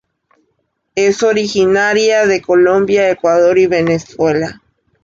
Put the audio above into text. Es originaria de Colombia, Ecuador, y Venezuela.